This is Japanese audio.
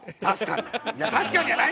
確かに。